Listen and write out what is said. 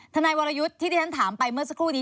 ทนายวรยุทธ์ที่ที่ฉันถามไปเมื่อสักครู่นี้